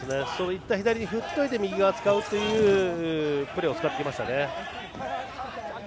左に振っておいて右を使うというプレーを使ってきましたね。